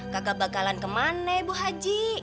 kakak bakalan kemana ibu haji